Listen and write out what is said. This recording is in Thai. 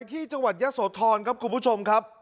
ที่จังหวัดยะโสธรครับคุณผู้ชมครับ